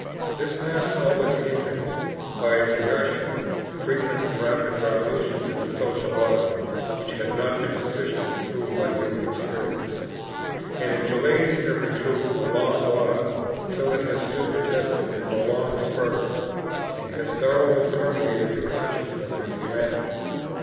This mass always hinders, by its inertia, frequent and rapid revolutions in the social order which have not been sufficiently proved by human experience. And it delays every truth a long while till it has stood the test of prolonged struggles, and has thoroughly permeated the consciousness of humanity.